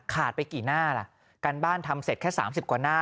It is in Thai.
ไปกี่หน้าล่ะการบ้านทำเสร็จแค่๓๐กว่าหน้า